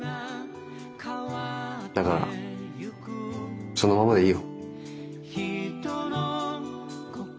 だからそのままでいいよ。